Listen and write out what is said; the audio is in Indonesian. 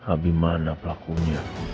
abi mana pelakunya